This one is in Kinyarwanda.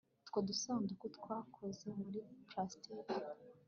utwo dusanduku twakozwe muri plastiki